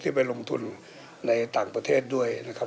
ไปลงทุนในต่างประเทศด้วยนะครับ